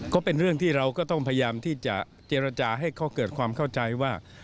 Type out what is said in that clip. ก็เป็นเรื่องที่เราก็ต้องพยายามที่จะเจรจาให้เขาเกิดความเข้าใจว่า